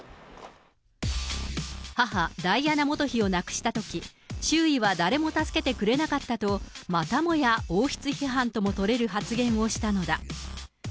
母、ダイアナ元妃を亡くしたとき、周囲は誰も助けてくれなかったと、またもや王室批判とも取れる発言をしたのだ。